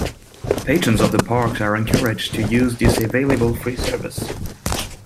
Patrons of the parks are encouraged to use this available, free service.